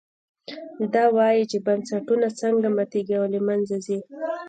دا وایي چې بنسټونه څنګه ماتېږي او له منځه ځي.